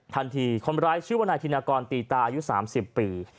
ทันทีคนร้ายชื่อวนายธินากรตีตายุ๓๐ปี